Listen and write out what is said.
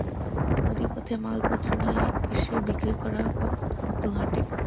নদীপথে মালপত্র নিয়ে এসে বিক্রি করা হত হাটে।